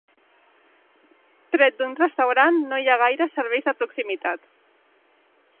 Tret d'un restaurant, no hi ha gaires serveis de proximitat.